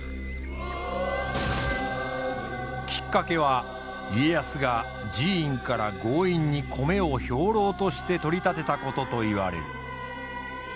きっかけは家康が寺院から強引に米を兵糧として取り立てたことといわれる。